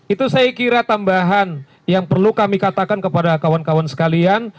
itu saya kira tambahan yang perlu kami katakan kepada kawan kawan sekalian